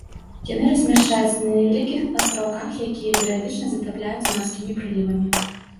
Яны размяшчаюцца на невялікіх астраўках, якія перыядычна затапляюцца марскімі прылівамі.